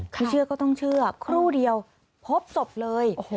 ไม่เชื่อก็ต้องเชื่อครู่เดียวพบศพเลย